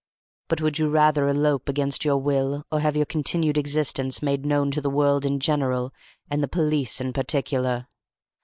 But would you rather elope against your will, or have your continued existence made known to the world in general and the police in particular?